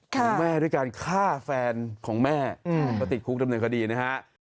ของแม่ด้วยการฆ่าแฟนของแม่ก็ติดคุกดำเนินคดีนะฮะ